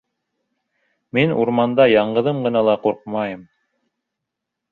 Мин урманда яңғыҙым ғына ла ҡурҡмайым.